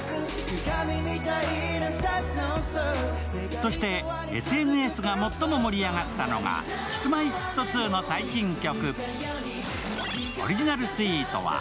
そして、ＳＮＳが最も盛り上がったのがＫｉｓ−Ｍｙ−Ｆｔ２の最新曲。